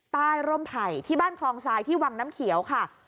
ร่มไผ่ที่บ้านคลองทรายที่วังน้ำเขียวค่ะ